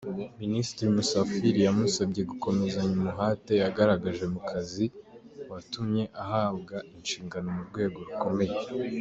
Minisitiri Musafiri yamusabye gukomezanya umuhate yagaragaje mu kazi, watumye ahabwa inshingano mu rwego rukomeye.